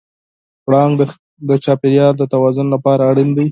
پړانګ د چاپېریال د توازن لپاره اړین دی.